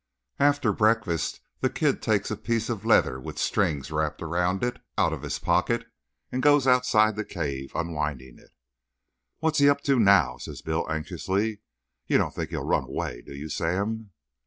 After breakfast the kid takes a piece of leather with strings wrapped around it out of his pocket and goes outside the cave unwinding it. "What's he up to now?" says Bill, anxiously. "You don't think he'll run away, do you, Sam?"